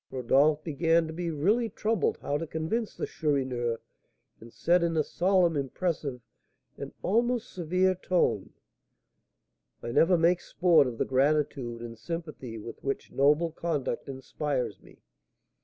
'" Rodolph began to be really troubled how to convince the Chourineur, and said in a solemn, impressive, and almost severe tone: "I never make sport of the gratitude and sympathy with which noble conduct inspires me.